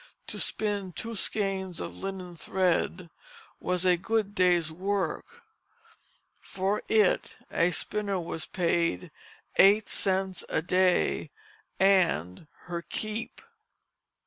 To spin two skeins of linen thread was a good day's work; for it a spinner was paid eight cents a day and "her keep."